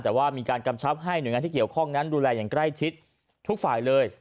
แต่ว่ามีการกำชับให้หน่วยงานที่เกี่ยวข้องนั้นดูแลอย่างใกล้ชิดทุกฝ่ายเลย